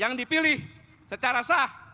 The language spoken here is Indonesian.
yang dipilih secara sah